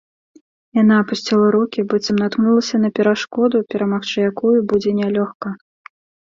Яна апусціла рукі, быццам наткнулася на перашкоду, перамагчы якую будзе нялёгка.